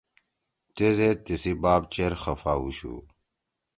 تیزید تیِسی باپ چیر خفا ہُوشُو